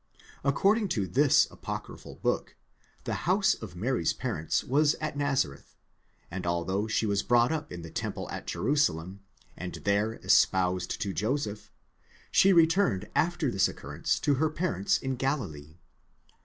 According to this apocryphal book, the house of Mary's parents was at Naz areth, and although she was brought up in the temple at Jerusalem and there espoused to Joseph, she returned after this occurrence to her parents in Galilee.